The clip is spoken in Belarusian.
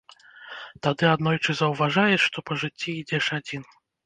Тады аднойчы заўважаеш, што па жыцці ідзеш адзін.